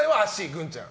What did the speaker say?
グンちゃん。